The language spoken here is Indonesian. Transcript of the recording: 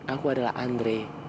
aku adalah andri